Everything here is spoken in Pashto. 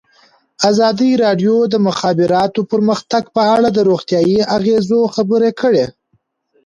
ازادي راډیو د د مخابراتو پرمختګ په اړه د روغتیایي اغېزو خبره کړې.